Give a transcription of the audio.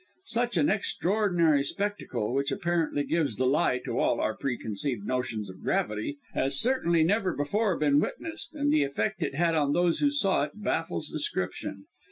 Such an extraordinary spectacle which apparently gives the lie to all our preconceived notions of gravity has certainly never before been witnessed, and the effect it had on those who saw it, baffles description.